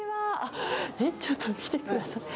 えっ、ちょっと見てください。